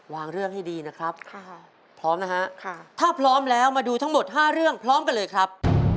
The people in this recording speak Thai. เรื่องให้ดีนะครับพร้อมนะฮะถ้าพร้อมแล้วมาดูทั้งหมด๕เรื่องพร้อมกันเลยครับ